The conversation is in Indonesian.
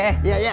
kamar mandi kak